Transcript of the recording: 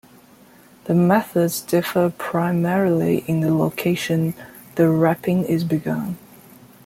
The methods differ primarily in the location the wrapping is begun.